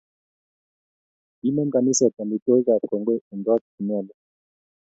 Kinem kaniset amitwokik ab kongoi eng kot chinyalu